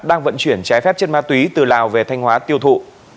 đang vận chuyển trái phép chất ma túy từ lào về thanh hóa tiêu thụ